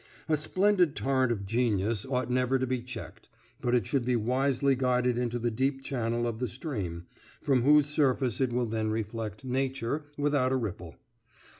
A splendid torrent of genius ought never to be checked, but it should be wisely guided into the deep channel of the stream, from whose surface it will then reflect Nature without a ripple.